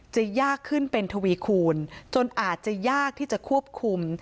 จะยากขึ้นเป็นทวีคูณจนอาจจะยากที่จะควบคุม